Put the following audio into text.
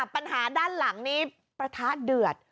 ปัญหาด้านหลังนี้ประทะเดือด